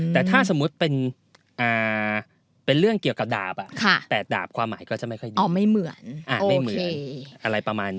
แต่ถ้าสมมุติเป็นเรื่องเกี่ยวกับดาบความหมายก็จะไม่ค่อยเหมือน